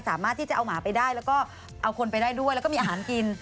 สามารถที่จะเอาหมาไปได้แล้วก็เอาคนไปได้ด้วยแล้วก็มีอาหารกิน